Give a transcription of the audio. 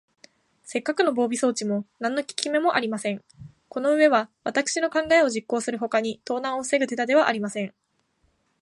せっかくの防備装置も、なんのききめもありません。このうえは、わたくしの考えを実行するほかに、盗難をふせぐ手だてはありません。